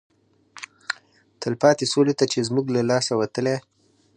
تلپاتې سولې ته چې زموږ له لاسه وتلی